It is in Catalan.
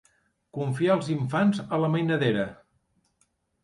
Confiar els infants a la mainadera.